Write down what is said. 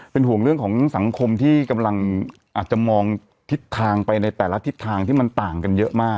เป็นห่วงเรื่องของสังคมที่กำลังอาจจะมองทิศทางไปในแต่ละทิศทางที่มันต่างกันเยอะมาก